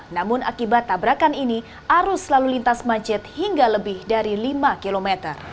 namun akibat tabrakan ini arus lalu lintas macet hingga lebih dari lima km